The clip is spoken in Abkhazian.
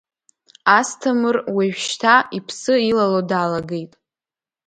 Асҭамыр уажәшьҭа иԥсы илало далагеит.